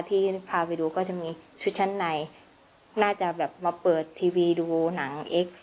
ที่พาไปดูก็จะมีชุดชั้นในน่าจะแบบมาเปิดทีวีดูหนังเอ็กซ์